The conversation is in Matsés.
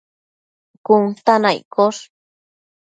cun ta na iccosh